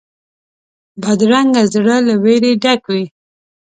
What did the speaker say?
بدرنګه زړه له وېرې ډک وي